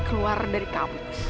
keluar dari kampus